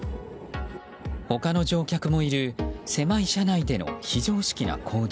他の乗客もいる狭い車内での非常識な行動。